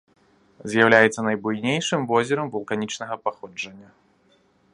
З'яўляецца найбуйнейшым возерам вулканічнага паходжання.